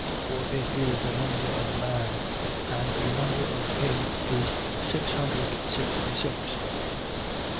For it is the number of a man: and the number of him is six hundred sixty six.